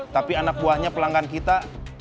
tapi anak buahnya pelanggan kita